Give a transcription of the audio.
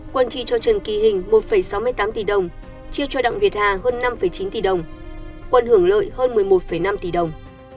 quân chi cho trần kỳ hình một sáu mươi tám tỷ đồng chia cho đặng việt hà hơn năm chín tỷ đồng quân hưởng lợi hơn một mươi một năm tỷ đồng